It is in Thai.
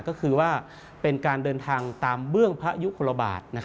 ก็คือว่าเป็นการเดินทางตามเบื้องพระยุคลบาท